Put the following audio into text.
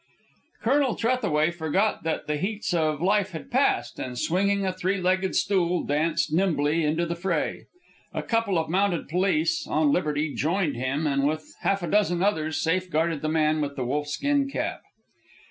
Colonel Trethaway forgot that the heats of life had passed, and swinging a three legged stool, danced nimbly into the fray. A couple of mounted police, on liberty, joined him, and with half a dozen others safeguarded the man with the wolf skin cap.